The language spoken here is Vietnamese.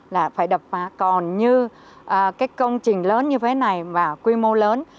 là phải đập phá còn như cái công trình lớn như thế này và quy mô lớn